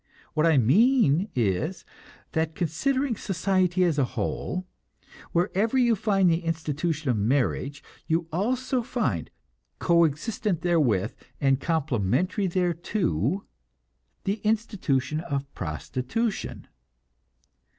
What I mean is that, considering society as a whole, wherever you find the institution of marriage, you also find, co existent therewith and complementary thereto, the institution of prostitution.